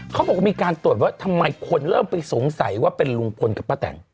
เขาบอกว่ามีการตรวจว่าทำไมคนเริ่มไปสงสัยว่าเป็นลุงพลกับป้าแต่ง